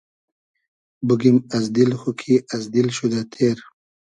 بوگیم از دیل خو کی از دیل شودۂ تېر